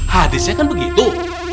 hadisnya kan begitu